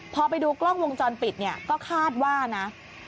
พอไปดูกล้องวงจรปิดเนี่ยก็คาดว่านะ